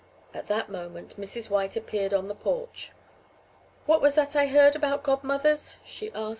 At that moment Mrs. White appeared on the porch. "What was that I heard about godmothers?" she asked.